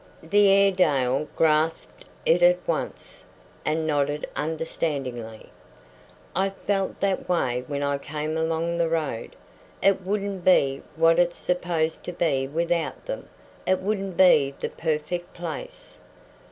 The Airedale grasped it at once, and nodded understandingly. "I felt that way when I came along the road. It wouldn't be what it's supposed to be without them. It wouldn't be the perfect place."